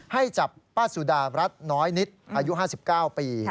ให้จับป้าสุดารัฐน้อยนิดอายุ๕๙ปี